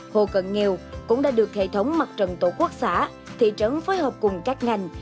hộ cận nghèo cũng đã được hệ thống mặt trận tổ quốc xã thị trấn phối hợp cùng các ngành